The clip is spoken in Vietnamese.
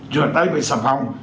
rửa tay với sạp hỏng